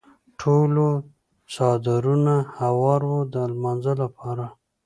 ټولو څادرونه هوار وو د لمانځه لپاره.